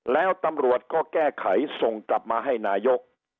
แล้วตำรวจก็แก้ไขส่งกลับมาให้นายก